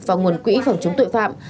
và nguồn quỹ phòng chống tội phạm